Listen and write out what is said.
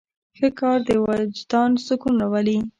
ښه کار د وجدان سکون راولي.